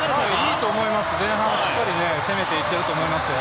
いいと思います、前半しっかり攻めていってると思いますよ。